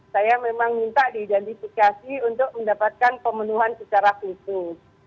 saya memang minta diidentifikasi untuk mendapatkan pemenuhan secara khusus